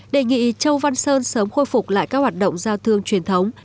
đề nghị châu văn sơn sớm khôi phục lại các hoạt động giao thương truyền thống